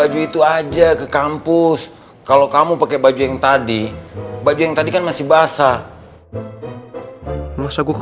justru keliatan lucu buat gue